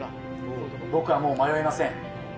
僕はもう迷いません。